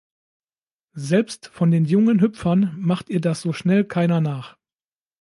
Selbst von den jungen Hüpfern macht ihr das so schnell keiner nach.